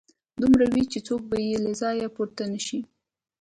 دومره وي چې څوک به يې له ځايه پورته نشي